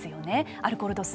アルコール度数。